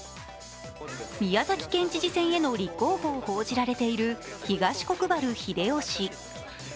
宮崎県知事選への立候補を報じられている東国原英夫氏。